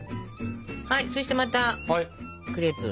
はいそしてまたクレープ。